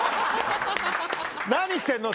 「何してんの？」